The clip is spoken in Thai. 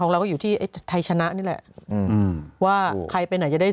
ของเราก็อยู่ที่ไทยชนะนี่แหละว่าใครไปหน่อยจะได้